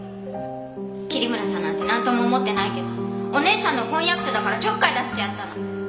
桐村さんなんて何とも思ってないけどお姉さんの婚約者だからちょっかい出してやったの